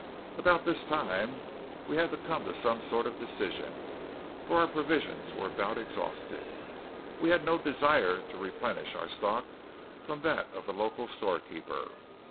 About this time we had to come to some sort of a decision, for our provisions were about exhausted. We had no desire to replenish our stock from that of the local storekeeper.